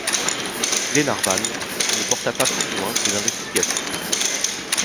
Glenarvan ne porta pas plus loin ses investigations.